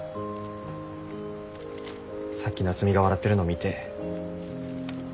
さっき夏海が笑ってるの見て。